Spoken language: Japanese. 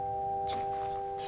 ちょっと。